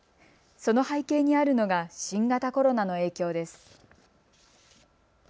その背景にあるのが新型コロナの影響です。